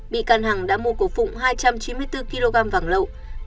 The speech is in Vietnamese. bị căn hàng đã mua cổ phụng hai trăm chín mươi bốn kg vàng lậu